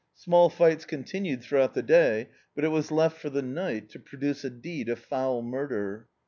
Small fights continued throu^out the day, but it was left for the night to produce a deed of foul murder.